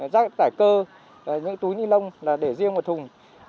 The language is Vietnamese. rác tải cơ những túi ni lông để riêng một thùng